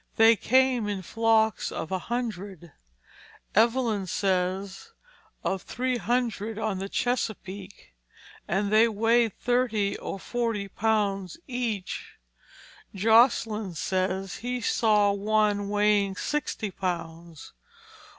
They came in flocks of a hundred, Evelyn says of three hundred on the Chesapeake, and they weighed thirty or forty pounds each: Josselyn says he saw one weighing sixty pounds.